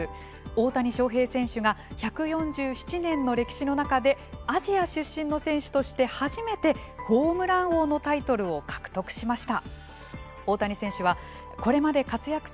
大谷翔平選手が１４７年の歴史の中でアジア出身の選手として初めてホームラン王のタイトルを獲得しました。